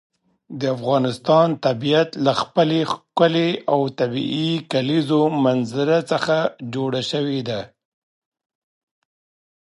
د افغانستان طبیعت له خپلې ښکلې او طبیعي کلیزو منظره څخه جوړ شوی دی.